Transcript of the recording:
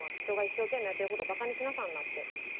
人が一生懸命やってることをバカにしなさんなって。